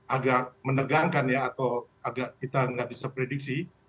agak menegangkan ya atau agak kita nggak bisa prediksi